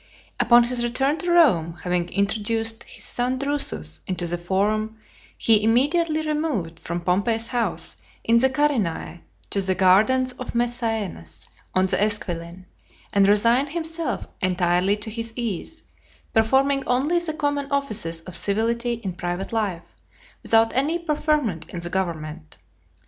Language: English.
Upon his return to Rome, having introduced his son Drusus into the forum, he immediately removed from Pompey's house, in the Carinae, to the gardens of Mecaenas, on the Esquiline , and resigned himself entirely to his ease, performing only the common offices of civility in private life, without any preferment in the government.